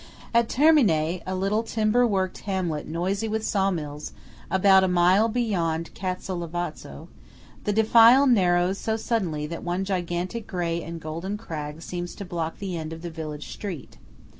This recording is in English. At Termine, a little timber working hamlet noisy with saw mills, about a mile beyond Castel Lavazzo, the defile narrows so suddenly that one gigantic grey and golden crag seems to block the end of the village street.